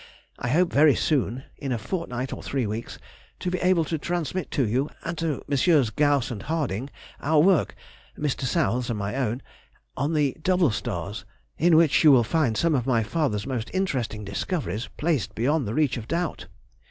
I hope very soon (in a fortnight or three weeks) to be able to transmit to you and to MM. Gauss and Harding our work (Mr. South's and my own) on the double stars, in which you will find some of my father's most interesting discoveries placed beyond the reach of doubt.